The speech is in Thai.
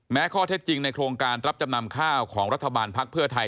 ข้อเท็จจริงในโครงการรับจำนำข้าวของรัฐบาลภักดิ์เพื่อไทย